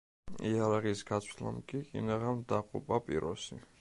იარაღის გაცვლამ კი კინაღამ დაღუპა პიროსი.